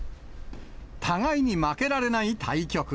互いに負けられない対局。